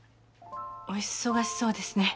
お忙しそうですね。